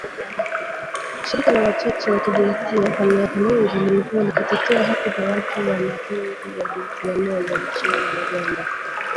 Shirika la Wachache wa Kijinsia kwa miaka mingi limekuwa likitetea haki za watu wa mapenzi ya jinsia moja nchini Uganda